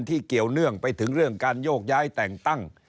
เกี่ยวเนื่องไปถึงเรื่องการโยกย้ายแต่งตั้ง